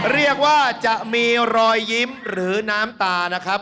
เรียกว่าจะมีรอยยิ้มหรือน้ำตานะครับ